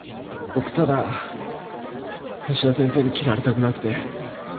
僕ただ芦田先生に嫌われたくなくて。